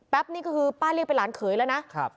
นี่ก็คือป้าเรียกเป็นหลานเขยแล้วนะ